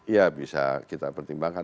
ya bisa kita pertimbangkan